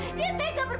dia tega berbohong